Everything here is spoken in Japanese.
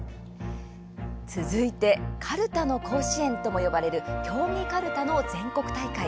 続いて、かるたの甲子園とも呼ばれる競技かるたの全国大会。